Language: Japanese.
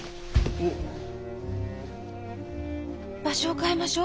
場所を変えましょう。